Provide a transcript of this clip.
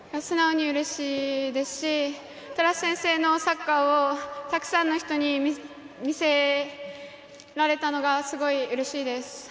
素直にうれしいですし寺師先生のサッカーをたくさん見せられたのがすごいうれしいです。